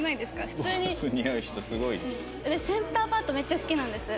私センターパートめっちゃ好きなんです。